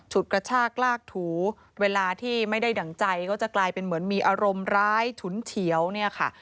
กระชากลากถูเวลาที่ไม่ได้ดั่งใจก็จะกลายเป็นเหมือนมีอารมณ์ร้ายฉุนเฉียวเนี่ยค่ะ